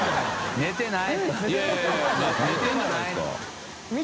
寝てない。